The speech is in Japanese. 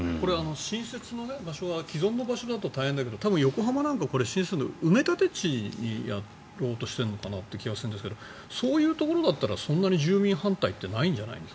新設の場所は既存の場所だと大変だけど横浜は埋立地にやろうとしている気がするんですがそういうところだったらそんなに住民反対ってないんじゃないの？